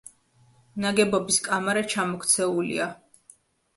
ნაგებობის კამარა ჩამოქცეულია.